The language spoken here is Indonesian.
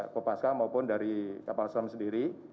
kopaska maupun dari kapal selam sendiri